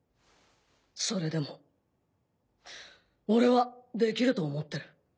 それでも俺はできると思ってる。